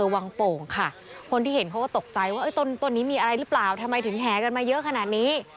ว่าตัวนี้มีอะไรหรือเปล่าทำไมถึงแหกันมาเยอะขนาดนี้